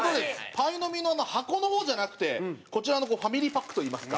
パイの実の箱の方じゃなくてこちらのファミリーパックといいますか。